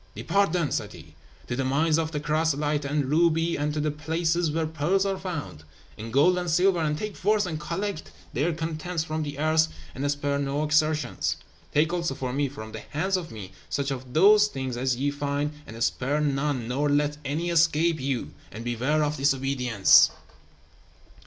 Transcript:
"Depart then," said he, "to the mines of chrysolite and ruby, and to the places where pearls are found, and gold and silver, and take forth and collect their contents from the earth, and spare no exertions. Take also for me, from the hands of me, such of those things as ye find, and spare none, nor let any escape you; and beware of disobedience!"